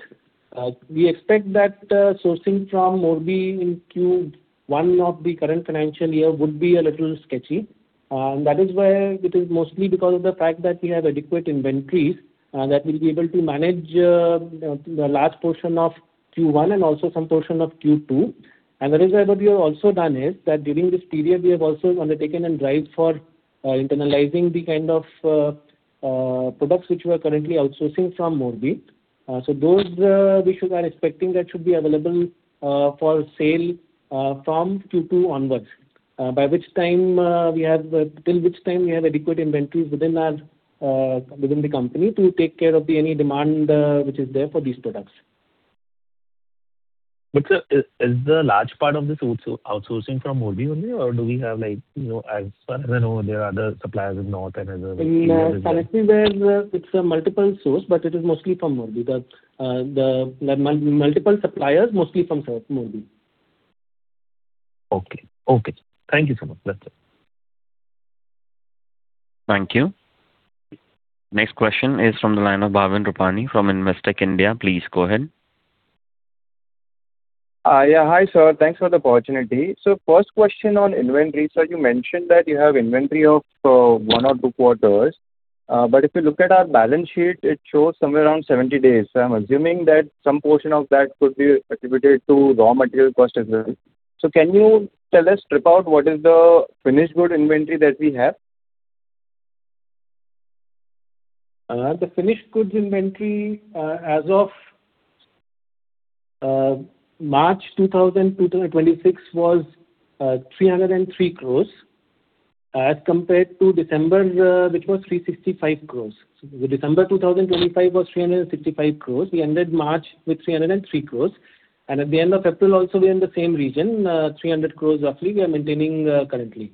we expect that sourcing from Morbi in Q1 of the current financial year would be a little sketchy. That is where it is mostly because of the fact that we have adequate inventories that we'll be able to manage the last portion of Q1 and also some portion of Q2. The reason that we have also done is that during this period we have also undertaken a drive for internalizing the kind of products which we are currently outsourcing from Morbi. Those, we are expecting that should be available for sale from Q2 onwards, by which time, we have till which time we have adequate inventories within our within the company to take care of the any demand which is there for these products. Sir, is the large part of this outsourcing from Morbi only or do we have like, you know, as far as I know there are other suppliers in north and other? Currently there's a multiple source, it is mostly from Morbi. The multiple suppliers mostly from south Morbi. Okay. Okay. Thank you so much. That's it. Thank you. Next question is from the line of Bhavin Rupani from Investec India. Please go ahead. Yeah. Hi, sir. Thanks for the opportunity. First question on inventory. Sir, you mentioned that you have inventory of one or two quarters, but if you look at our balance sheet, it shows somewhere around 70 days. I'm assuming that some portion of that could be attributed to raw material cost as well. Can you tell us about what is the finished good inventory that we have? The finished goods inventory as of March 2026 was 303 crores, as compared to December's, which was 365 crores. December 2025 was 365 crores. We ended March with 303 crores. At the end of April also we're in the same region, 300 crores roughly we are maintaining currently.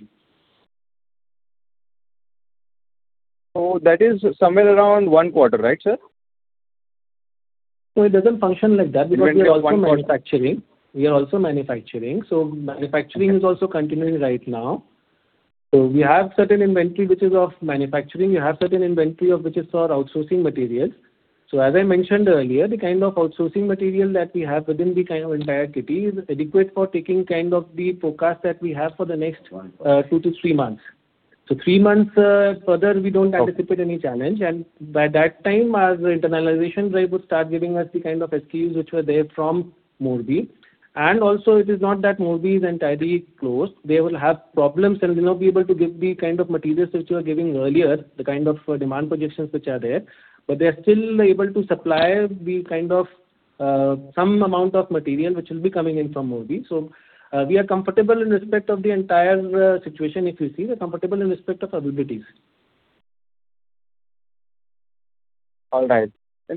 That is somewhere around one quarter, right, sir? No, it doesn't function like that because. We are also manufacturing. Manufacturing is also continuing right now. We have certain inventory which is of manufacturing. We have certain inventory of which is for outsourcing materials. As I mentioned earlier, the kind of outsourcing material that we have within the kind of entire kitty is adequate for taking kind of the forecast that we have for the next two to three months. Three months further we don't anticipate any challenge. By that time our internalization drive would start giving us the kind of SKUs which were there from Morbi. Also it is not that Morbi is entirely closed. They will have problems and will not be able to give the kind of materials which were giving earlier, the kind of demand projections which are there, but they are still able to supply the kind of some amount of material which will be coming in from Morbi. We are comfortable in respect of the entire situation if you see. We're comfortable in respect of availabilities. All right.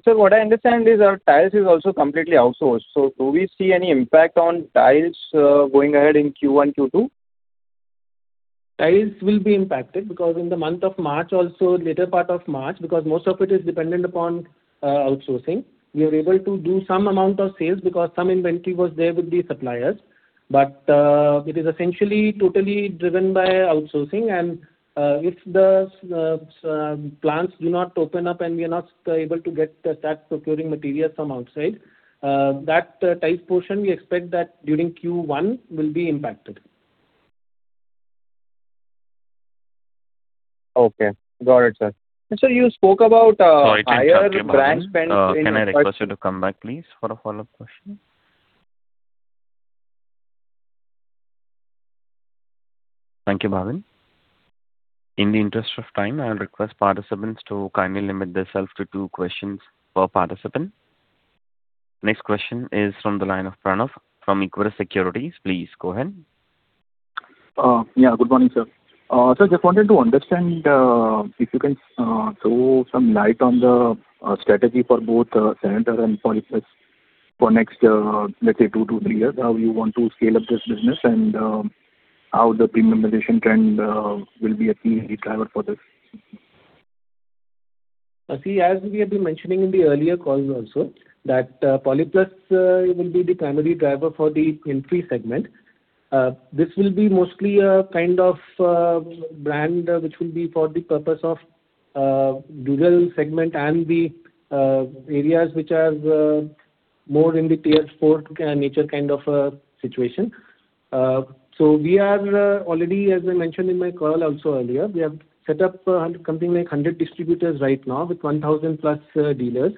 Sir, what I understand is our tiles is also completely outsourced. Do we see any impact on tiles going ahead in Q1, Q2? Tiles will be impacted because in the month of March also, latter part of March, because most of it is dependent upon outsourcing. We are able to do some amount of sales because some inventory was there with the suppliers. It is essentially totally driven by outsourcing and, if the plants do not open up and we are not able to get that procuring material from outside, that tiles portion we expect that during Q1 will be impacted. Okay. Got it, sir. sir, you spoke about higher brand spend- Sorry to interrupt you, Bhavin. Can I request you to come back please for a follow-up question? Thank you, Bhavin. In the interest of time, I'll request participants to kindly limit themselves to two questions per participant. Next question is from the line of Pranav from Equirus Securities. Please go ahead. Yeah. Good morning, sir. Sir, just wanted to understand if you can throw some light on the strategy for both Senator and Polipluz for next, let's say two to three years. How you want to scale up this business and how the premiumization trend will be a key driver for this? See, as we have been mentioning in the earlier calls also that Polipluz will be the primary driver for the entry segment. This will be mostly a kind of brand which will be for the purpose of rural segment and the areas which are more in the tier-4 nature kind of a situation. We are already, as I mentioned in my call also earlier, we have set up something like 100 distributors right now with 1,000+ dealers.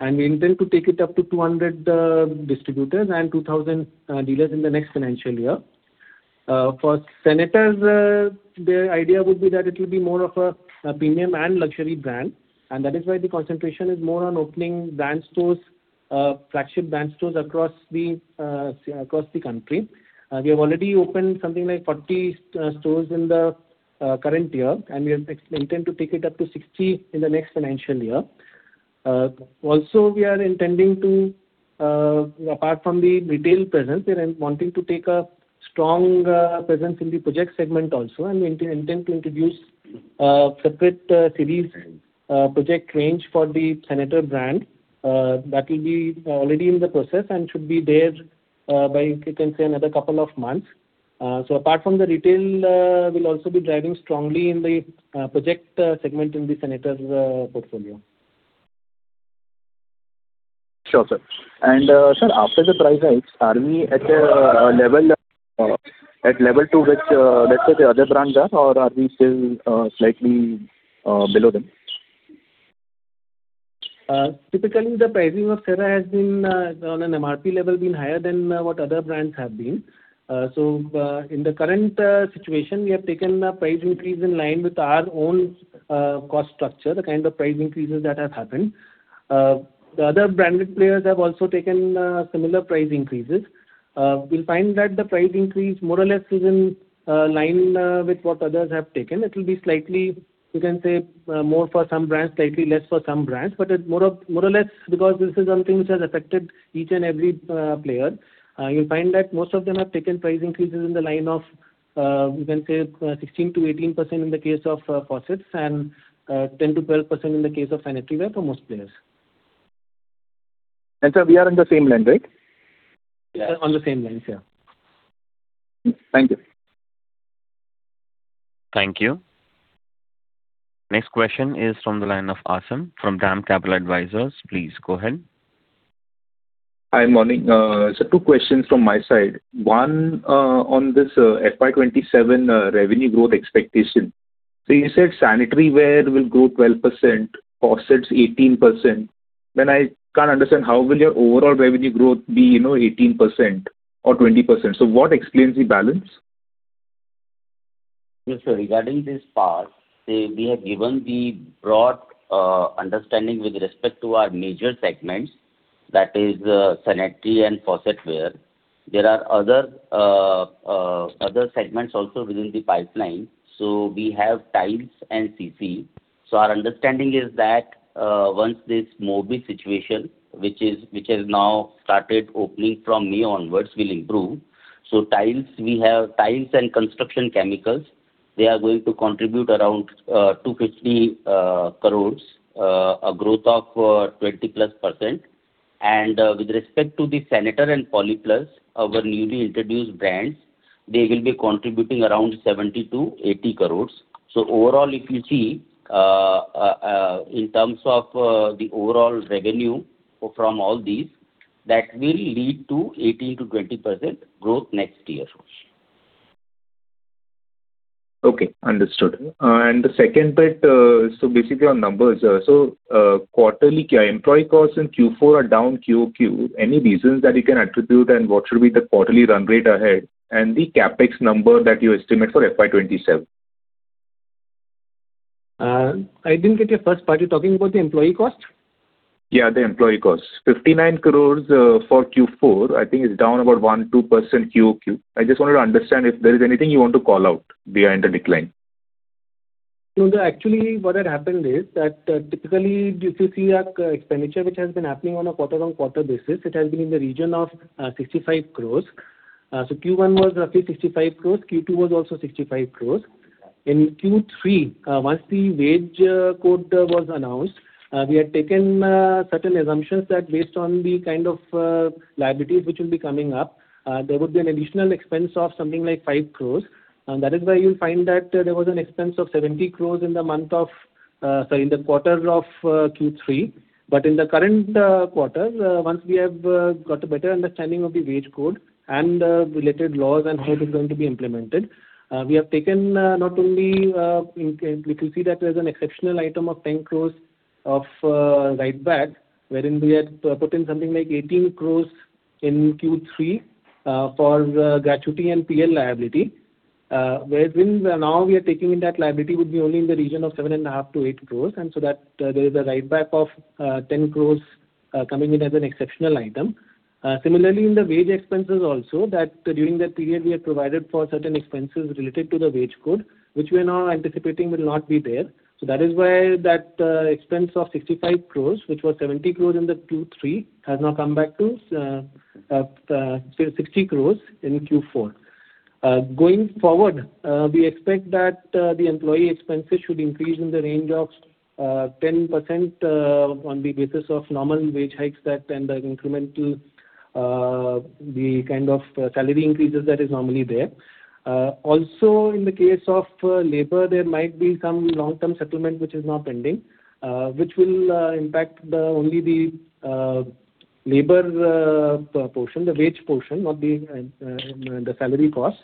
We intend to take it up to 200 distributors and 2,000 dealers in the next financial year. For Senator, the idea would be that it will be more of a premium and luxury brand, and that is why the concentration is more on opening brand stores, flagship brand stores across the country. We have already opened something like 40 stores in the current year, and we intend to take it up to 60 in the next financial year. Also we are intending to, apart from the retail presence, we are wanting to take a strong presence in the project segment also and intend to introduce separate series project range for the Senator brand, that will be already in the process and should be there by, you can say, another two months. Apart from the retail, we'll also be driving strongly in the project segment in the sanitaryware portfolio. Sure, sir. Sir, after the price hikes, are we at a level, at level two, which let's say the other brands are, or are we still slightly below them? Typically the pricing of Cera has been on an MRP level been higher than what other brands have been. In the current situation, we have taken a price increase in line with our own cost structure, the kind of price increases that have happened. The other branded players have also taken similar price increases. We'll find that the price increase more or less is in line with what others have taken. It will be slightly, you can say, more for some brands, slightly less for some brands, but it more or less because this is something which has affected each and every player. You'll find that most of them have taken price increases in the line of, you can say, 16%-18% in the case of faucets and, 10%-12% in the case of sanitaryware for most players. Sir, we are in the same line, right? Yeah, on the same lines, yeah. Thank you. Thank you. Next question is from the line of Aasim from DAM Capital Advisors. Please go ahead. Hi, morning. Two questions from my side. One, on this, FY 2027 revenue growth expectation. You said sanitaryware will grow 12%, faucets 18%. I can't understand how will your overall revenue growth be, you know, 18% or 20%. What explains the balance? Yes, sir. Regarding this part, we have given the broad understanding with respect to our major segments, that is, sanitary and faucetware. There are other segments also within the pipeline. We have tiles and construction chemicals. Our understanding is that once this Morbi situation, which has now started opening from May onwards, will improve. Tiles, we have tiles and construction chemicals. They are going to contribute around 250 crores, a growth of 20%+ percent. With respect to the Senator and Polipluz, our newly introduced brands, they will be contributing around 70 crores-80 crores. Overall, if you see in terms of the overall revenue from all these, that will lead to 18%-20% growth next year. Okay. Understood. The second bit, basically on numbers. Quarterly employee costs in Q4 are down QoQ. Any reasons that you can attribute and what should be the quarterly run rate ahead and the CapEx number that you estimate for FY 2027? I didn't get your first part. You're talking about the employee cost? Yeah, the employee cost. 59 crores for Q4, I think it's down about 1%, 2% QoQ. I just wanted to understand if there is anything you want to call out behind the decline. No, no, actually, what had happened is that, typically if you see our expenditure which has been happening on a quarter-over-quarter basis, it has been in the region of 65 crores. Q1 was roughly 65 crores. Q2 was also 65 crores. In Q3, once the wage code was announced, we had taken certain assumptions that based on the kind of liabilities which will be coming up, there would be an additional expense of something like 5 crores. That is why you'll find that there was an expense of 70 crores in the month of, sorry, in the quarter of Q3. In the current quarter, once we have got a better understanding of the wage code and related laws and how it is going to be implemented, we have taken, not only, you can see that there's an exceptional item of 10 crores of write back, wherein we had put in something like 18 crores in Q3, for the gratuity and PL liability. Wherein now we are taking in that liability would be only in the region of 7.5 crores-8 crores, so that there is a write back of 10 crores coming in as an exceptional item. Similarly in the wage expenses also that during that period we had provided for certain expenses related to the wage code, which we are now anticipating will not be there. That is why that expense of 65 crores, which was 70 crores in the Q3, has now come back to 60 crores in Q4. Going forward, we expect that the employee expenses should increase in the range of 10% on the basis of normal wage hikes that and the incremental the kind of salary increases that is normally there. Also in the case of labor, there might be some long-term settlement which is now pending, which will impact only the labor portion, the wage portion, not the salary cost.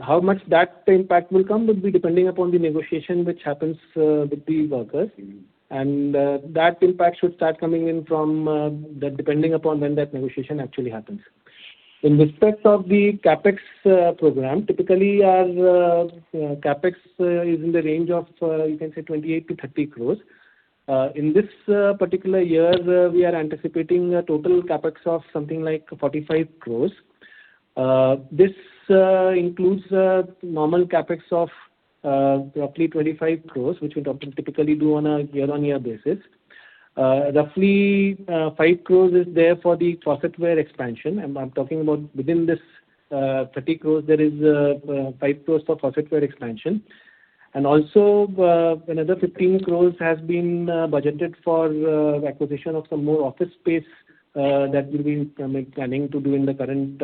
How much that impact will come will be depending upon the negotiation which happens with the workers. That impact should start coming in from that depending upon when that negotiation actually happens. In respect of the CapEx program, typically our CapEx is in the range of 28 crores-30 crores. In this particular year, we are anticipating a total CapEx of something like 45 crores. This includes normal CapEx of roughly 25 crores, which we'd often typically do on a year-on-year basis. Roughly, 5 crores is there for the faucetware expansion. I'm talking about within this 30 crores, there is 5 crores for faucetware expansion. Another 15 crores has been budgeted for the acquisition of some more office space that we've been planning to do in the current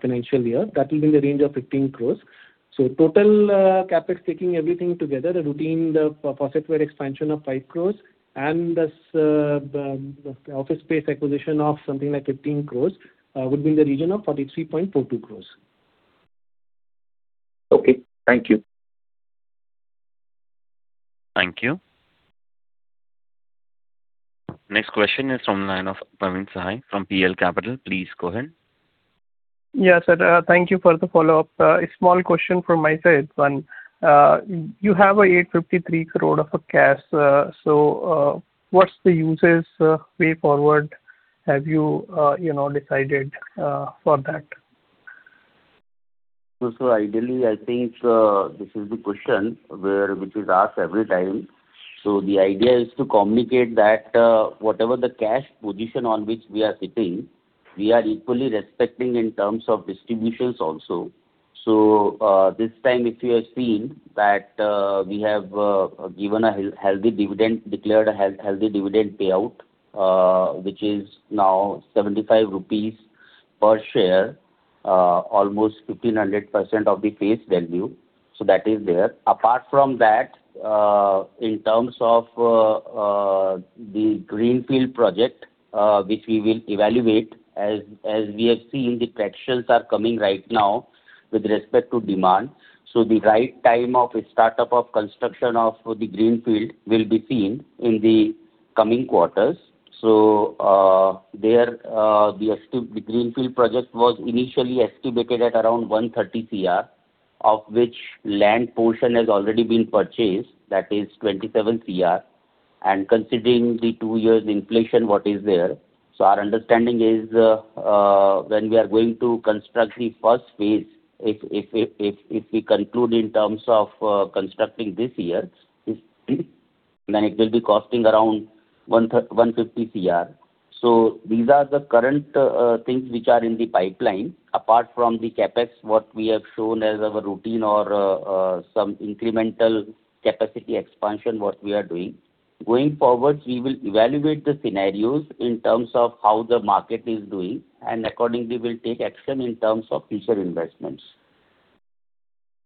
financial year. That will be in the range of 15 crores. Total CapEx, taking everything together, the routine, the faucetware expansion of 5 crore and this, the office space acquisition of something like 15 crore, would be in the region of 43.42 crore. Okay. Thank you. Thank you. Next question is from line of Praveen Sahay from PL Capital. Please go ahead. Yes, sir. Thank you for the follow-up. A small question from my side. One, you have a 853 crore of a cash. What's the uses, way forward have you know, decided, for that? Ideally, I think, this is the question which is asked every time. The idea is to communicate that whatever the cash position on which we are sitting, we are equally respecting in terms of distributions also. This time, if you have seen that we have given a healthy dividend, declared a healthy dividend payout, which is now 75 rupees per share, almost 1,500% of the face value. That is there. Apart from that, in terms of the greenfield project, which we will evaluate as we have seen the thresholds are coming right now with respect to demand. The right time of startup of construction of the greenfield will be seen in the coming quarters. There, the greenfield project was initially estimated at around 130 crore, of which land portion has already been purchased, that is 27 crore. Considering the two years inflation what is there, our understanding is, when we are going to construct the first phase, if we conclude in terms of constructing this year, then it will be costing around 150 crore. These are the current things which are in the pipeline. Apart from the CapEx, what we have shown as our routine or some incremental capacity expansion, what we are doing. Going forward, we will evaluate the scenarios in terms of how the market is doing, and accordingly we'll take action in terms of future investments.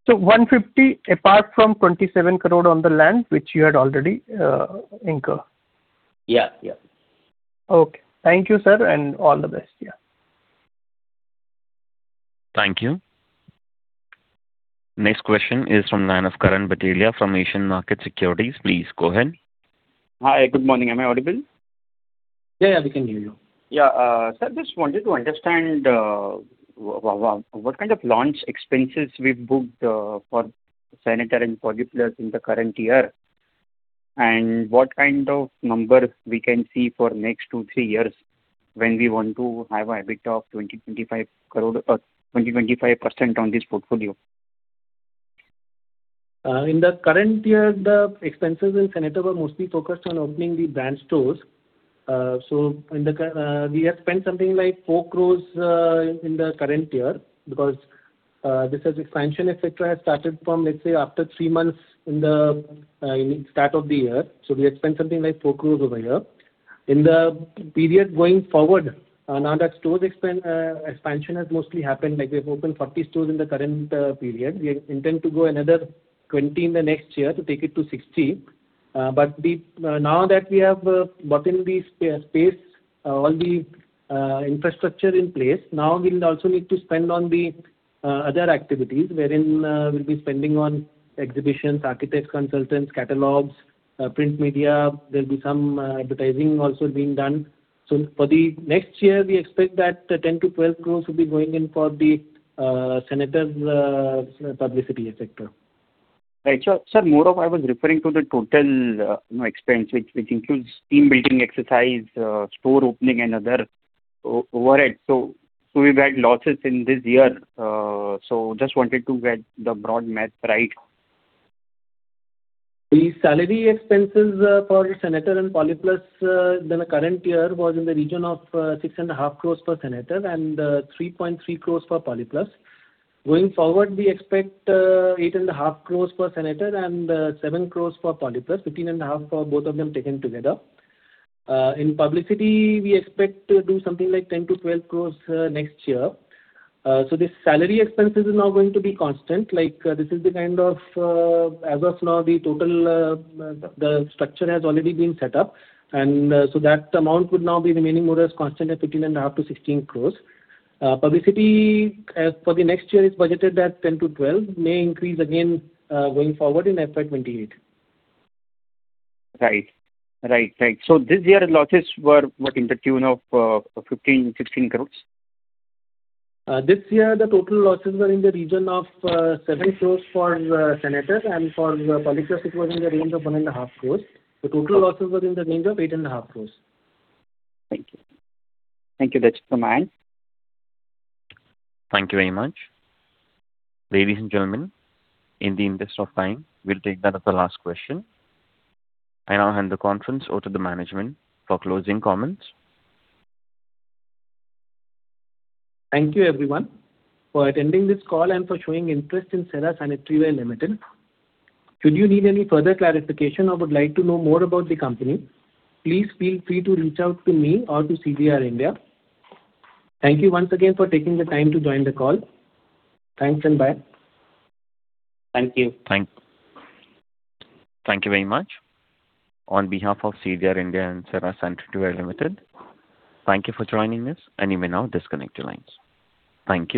150 apart from 27 crore on the land, which you had already incur. Yeah. Yeah. Okay. Thank you, sir, and all the best. Yeah. Thank you. Next question is from line of Karan Bhatelia from Asian Market Securities. Please go ahead. Hi. Good morning. Am I audible? Yeah, yeah. We can hear you. Yeah. Sir, just wanted to understand what kind of launch expenses we've booked for Senator and Polipluz in the current year, and what kind of numbers we can see for next two, three years when we want to have a EBIT of INR 20 crores-INR 25 crore, 20%-25% on this portfolio. In the current year, the expenses in Senator were mostly focused on opening the brand stores. We have spent something like 4 crore in the current year because this expansion, et cetera, has started from, let's say, after three months in the start of the year. We have spent something like 4 crore over here. In the period going forward, now that stores expand, expansion has mostly happened, like we have opened 40 stores in the current period. We intend to go another 20 in the next year to take it to 60. We now that we have gotten the spa-space, all the infrastructure in place, now we'll also need to spend on the other activities wherein we'll be spending on exhibitions, architect consultants, catalogs, print media. There'll be some advertising also being done. For the next year, we expect that 10 crores-12 crores will be going in for the Senator's publicity et cetera. Right. Sure. Sir, more of I was referring to the total, you know, expense which includes team-building exercise, store opening and other overheads. We've had losses in this year. Just wanted to get the broad math right. The salary expenses for Senator and Polipluz in the current year was in the region of 6.5 crores for Senator and 3.3 crores for Polipluz. Going forward, we expect 8.5 crores for Senator and 7 crores for Polipluz. 15.5 crores for both of them taken together. In publicity, we expect to do something like 10 crores-12 crores next year. The salary expenses is now going to be constant. Like, this is the kind of, as of now, the total, the structure has already been set up. That amount would now be remaining more as constant at 15.5 crores-16 crores. Publicity for the next year is budgeted at 10 crores-12 crores may increase again, going forward in FY 2028. Right. Right. Right. This year losses were what, in the tune of, 15 crore-16 crore? This year, the total losses were in the region of 7 crores for Senator, and for Polipluz it was in the range of 1.5 crores. The total losses were in the range of 8.5 crores. Thank you. Thank you. That's all. [inaudible] Thank you very much. Ladies and gentlemen, in the interest of time, we'll take that as the last question. I now hand the conference over to the management for closing comments. Thank you, everyone, for attending this call and for showing interest in Cera Sanitaryware Limited. Should you need any further clarification or would like to know more about the company, please feel free to reach out to me or to CDR India. Thank you once again for taking the time to join the call. Thanks and bye. Thank you. Thank you very much. On behalf of CDR India and Cera Sanitaryware Limited, thank you for joining us and you may now disconnect your lines. Thank you.